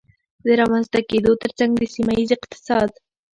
د رامنځته کېدو ترڅنګ د سيمهييز اقتصاد